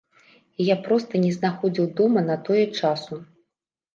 І я проста не знаходзіў дома на тое часу.